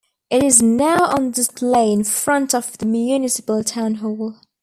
It is now on display in front of the Municipal Town Hall.